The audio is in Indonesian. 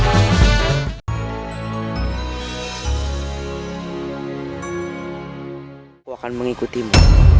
aku akan mengikutimu